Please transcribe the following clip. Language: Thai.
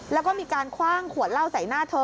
แล้วก็มีการคว่างขวดเหล้าใส่หน้าเธอ